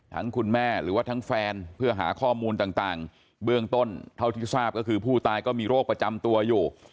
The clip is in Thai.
คุณแม่หรือว่าทั้งแฟนเพื่อหาข้อมูลต่างเบื้องต้นเท่าที่ทราบก็คือผู้ตายก็มีโรคประจำตัวอยู่